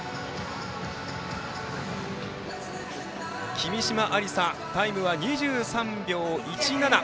君嶋愛梨沙、タイムは２３秒１７。